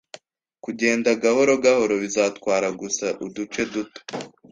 Kugenda gahoro gahoro bizatwara gusa uduce duto